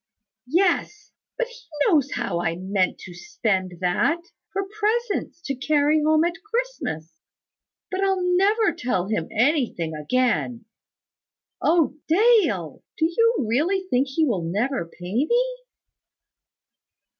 "Yes; but he knows how I mean to spend that, for presents to carry home at Christmas. But I'll never tell him anything again. Oh! Dale! Do you really think he will never pay me?"